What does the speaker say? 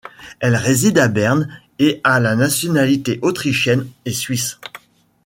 Elle réside à Berne et a la nationalité autrichienne et suisse.